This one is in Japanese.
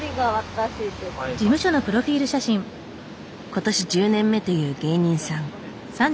今年１０年目という芸人さん。